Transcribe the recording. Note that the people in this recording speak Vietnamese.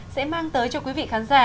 sẽ mang tới cho quý vị khán giả